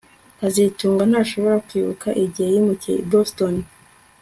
kazitunga ntashobora kwibuka igihe yimukiye i Boston